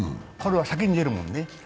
これは先に出るもんね。